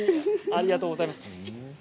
ありがとうございます。